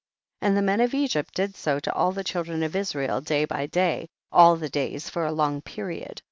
8. And the men of Egypt did so to all the children of Israel day by dav, all the days for a long period.